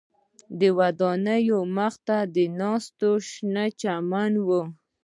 د ودانیو مخ ته د ناستي شین چمن و.